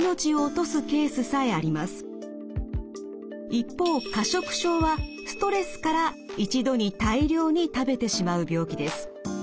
一方過食症はストレスから一度に大量に食べてしまう病気です。